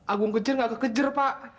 agung kecil nggak kekejar pak